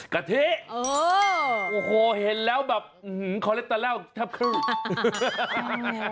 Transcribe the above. กะทิโอ้โหเห็นแล้วแบบอื้อหือคอลเลคเตอร์แล้วทับครึ่ง